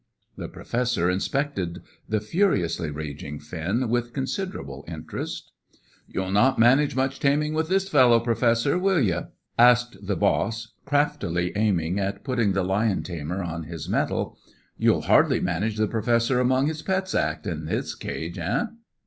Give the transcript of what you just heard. The Professor inspected the furiously raging Finn with considerable interest. "You'll not manage much taming with this fellow, Professor, will ye?" asked the boss, craftily aiming at putting the lion tamer on his mettle. "You'll hardly manage the Professor among his pets act in this cage, eh?"